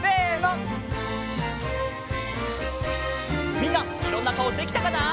みんないろんなかおできたかな？